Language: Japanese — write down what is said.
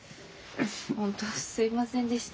本当すいませんでした。